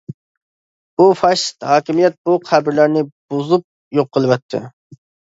بۇ فاشىست ھاكىمىيەت بۇ قەبرىلەرنى بۇزۇپ يوق قىلىۋەتتى.